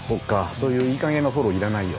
そういういい加減なフォローいらないよ。